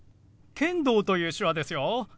「剣道」という手話ですよ。